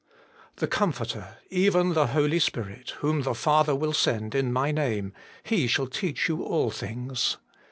'The Comforter, even the Holy Spirit, whom the Father will send in my name, He shall teach yon all things.